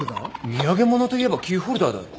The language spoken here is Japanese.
土産物といえばキーホルダーだろ。